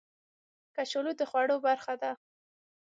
کچالو د خوړو برخه ده